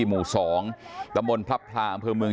หมู่๒ตะมนต์พระพลาอำเภอเมือง